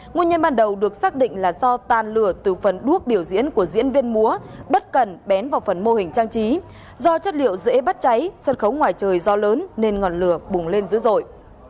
nguyên nhân ban đầu được xác định là do tan lửa từ phần đuốc biểu diễn của diễn viên múa bất cần bén vào phần mô hình trang trí do chất liệu dễ bắt cháy sân khấu ngoài trời do lớn nên ngọn lửa bùng lên dữ dội